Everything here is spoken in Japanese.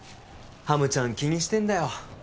ハムちゃん気にしてんだよ